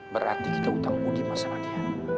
berarti kita utang mudi sama dia